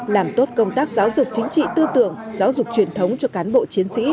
làm tốt công tác giáo dục chính trị tư tưởng giáo dục truyền thống cho cán bộ chiến sĩ